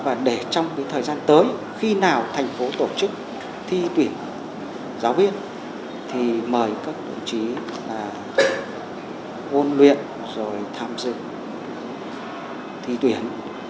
và để trong thời gian tới khi nào thành phố tổ chức thi tuyển giáo viên thì mời các đồng chí là ôn luyện rồi tham dự thi tuyển